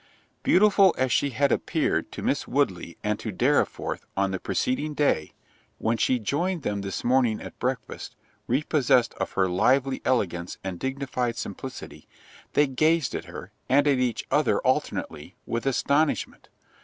Beautiful as she had appeared to Miss Woodley and to Dorriforth on the preceding day, when she joined them this morning at breakfast, re possessed of her lively elegance and dignified simplicity, they gazed at her, and at each other alternately, with astonishment!